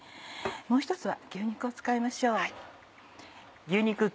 もう１つは牛肉を使いましょう。